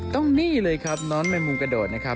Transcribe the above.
ต้องนี่เลยครับน้องแมงมุมกระโดดนะครับ